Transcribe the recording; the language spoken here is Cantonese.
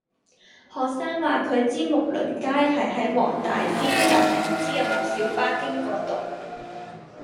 學生話佢知睦鄰街係喺黃大仙，但係唔知有冇小巴經嗰度